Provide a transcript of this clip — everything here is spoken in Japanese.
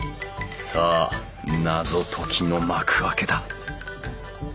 さあ謎解きの幕開けだ。